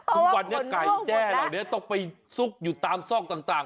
ทุกวันนี้ไก่แจ้เหล่านี้ต้องไปซุกอยู่ตามซอกต่าง